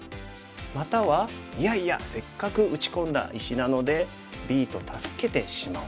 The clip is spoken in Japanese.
またはいやいやせっかく打ち込んだ石なのでＢと助けてしまおう。